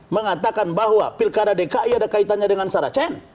mengatakan bahwa pilkada dki ada kaitannya dengan saracen